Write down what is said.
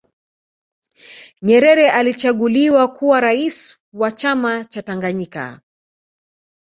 nyerere alichaguliwa kuwa raisi wa chama cha tanganyika